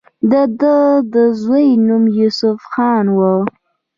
د دۀ د زوي نوم يوسف خان وۀ